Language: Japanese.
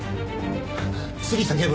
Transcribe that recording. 杉下警部。